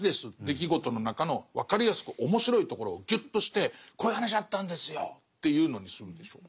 出来事の中の分かりやすく面白いところをギュッとしてこういう話あったんですよっていうのにするんでしょ。